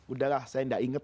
udah lah saya gak inget